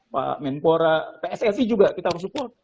pak menpora pssi juga kita harus support